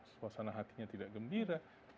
suasana hatinya tidak gembira